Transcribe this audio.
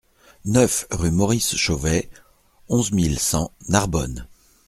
neuf rue Maurice Chauvet, onze mille cent Narbonne